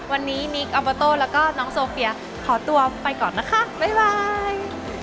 วันนี้นิคอัมเบอร์โต้แล้วก็น้องโซเฟียขอตัวไปก่อนนะคะบ๊าย